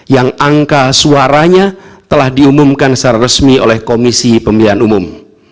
yang angka suaranya telah diumumkan secara resmi oleh komisi pemilihan umum